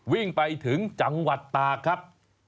วิ่งไปถึงจังหวัดตากครับ